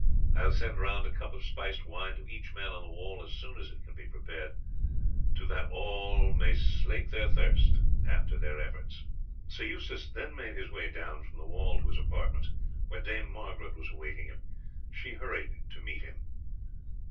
I will send round a cup of spiced wine to each man on the wall as soon as it can be prepared, to that all may slake their thirst after their efforts." Sir Eustace then made his way down from the wall to his Apartments, where Dame Margaret was awaiting him. She hurried to meet him.